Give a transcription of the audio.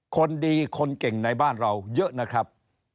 คนดีคนเก่งในบ้านเราเยอะนะครับ